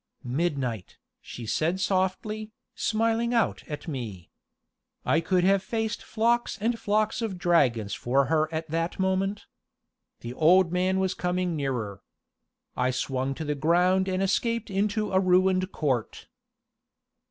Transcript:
"Midnight," she said softly, smiling out at me. I could have faced flocks and flocks of dragons for her at that moment. The old man was coming nearer. I swung to the ground and escaped into a ruined court.